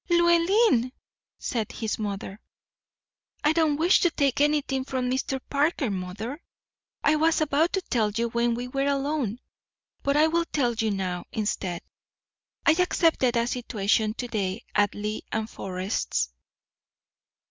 "Llewellyn!" said his mother. "I don't wish to take anything from Mr. Parker, mother. I was about to tell you when we were alone; but I will tell you now, instead. I accepted a situation to day at Lee & Forrest's."